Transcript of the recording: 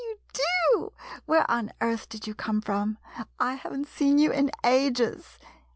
Where on earth did you come from? I haven't seen you in ages.